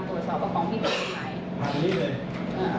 หรือเขาเข้าไปขาดสถานกำบลมันก็จะผลไปไหน